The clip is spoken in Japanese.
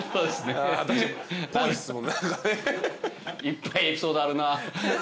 いっぱいエピソードあるな。